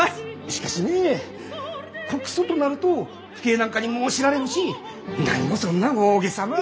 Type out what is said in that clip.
しかしね告訴となると父兄なんかにも知られるし何もそんな大げさな。